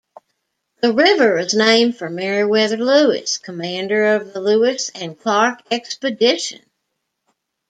The river is named for Meriwether Lewis, commander of the Lewis and Clark Expedition.